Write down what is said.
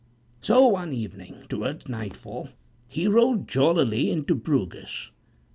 So one evening, towards nightfall, he rode jollily into Bruges.